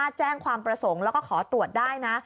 ถ้าแจ้งความประสงค์แล้วก็ขอตรวจได้นะ